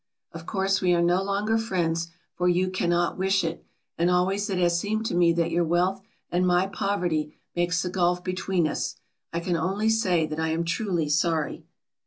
Of course we are no longer friends, for you cannot wish it, and always it has seemed to me that your wealth and my poverty makes the gulf between us. I can only say that I am truly sorry.